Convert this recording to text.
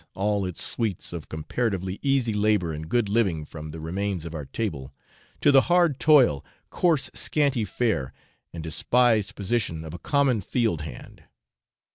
all its sweets of comparatively easy labour and good living from the remains of our table) to the hard toil, coarse scanty fare, and despised position of a common field hand.